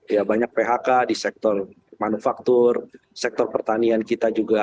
ya banyak phk di sektor manufaktur sektor pertanian kita juga